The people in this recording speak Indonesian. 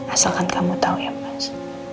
asalkan kamu tahu ya mas